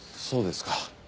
そうですか。